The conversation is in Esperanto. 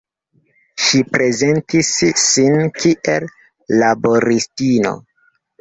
Ŝi prezentis sin kiel laboristino.